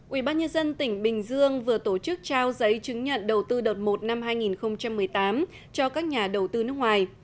ubnd tỉnh bình dương vừa tổ chức trao giấy chứng nhận đầu tư đợt một năm hai nghìn một mươi tám cho các nhà đầu tư nước ngoài